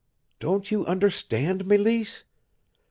"Don't you understand, Meleese?